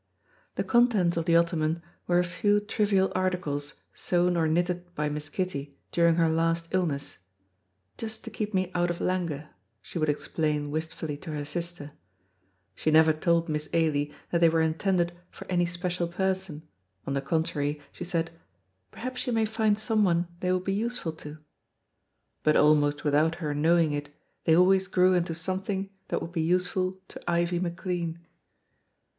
The contents of the ottoman were a few trivial articles sewn or knitted by Miss Kitty during her last illness, "just to keep me out of languor," she would explain wistfully to her sister. She never told Miss Ailie that they were intended for any special person; on the contrary, she said, "Perhaps you may find someone they will be useful to," but almost without her knowing it they always grew into something that would be useful to Ivie McLean.